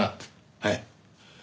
はい。